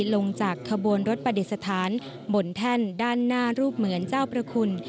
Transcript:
ลงจากขบวนรถประดิษฐานบนแท่นด้านหน้ารูปเหมือนเจ้าพระคุณ